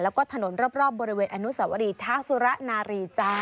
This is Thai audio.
แล้วก็ถนนรอบบริเวณอนุสวรีท้าสุระนารีจ้า